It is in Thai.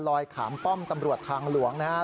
ขามป้อมตำรวจทางหลวงนะครับ